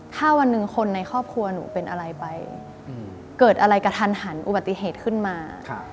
ถ้าวันหนึ่งคนในครอบครัวหนูเป็นอะไรไปเกิดอะไรกระทันหันอุบัติเหตุขึ้นมา